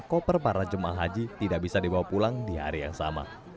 koper para jemaah haji tidak bisa dibawa pulang di hari yang sama